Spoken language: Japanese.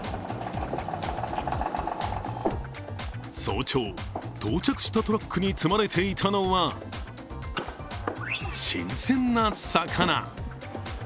早朝、到着したトラックに積まれていたのは新鮮な魚。